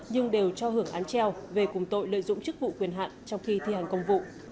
nhưng đều cho hưởng án treo về cùng tội lợi dụng chức vụ quyền hạn trong khi thi hành công vụ